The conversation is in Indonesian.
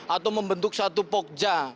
atau membentuk suatu pokja